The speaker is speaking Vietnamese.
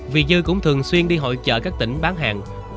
vì dư cũng thường xuyên đi hội chợ các tỉnh bán hàng